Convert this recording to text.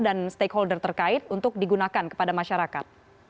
dan stakeholder terkait untuk digunakan kepada masyarakat